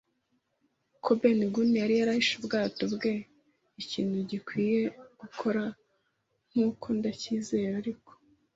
ko Ben Gunn yari yarahishe ubwato bwe, ikintu gikwiye gukora, nkuko ndacyizera. Ariko